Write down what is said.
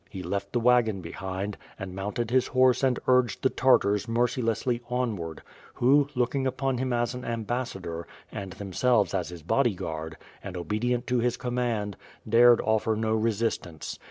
He left the wagon behind, and mounted his horse and urged the Tartars mercilessly onward, who, looking upon him as an ambassador, and themselves as his bodyguard, and obe dient to his command, dared offer no resistance.